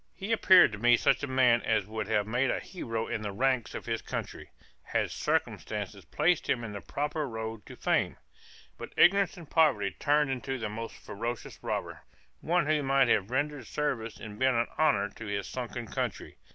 He appeared to me such a man as would have made a hero in the ranks of his country, had circumstances placed him in the proper road to fame; but ignorance and poverty turned into the most ferocious robber, one who might have rendered service and been an honor to his sunken country.